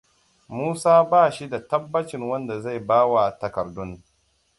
Musa ba shi da tabbacin wanda zai bawa takardun.